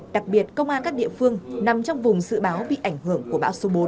đặc biệt công an các địa phương nằm trong vùng dự báo bị ảnh hưởng của bão số bốn